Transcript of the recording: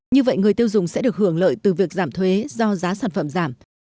như vậy người tiêu dùng sẽ được hưởng lợi từ việc giảm thuế do giá sản phẩm giảm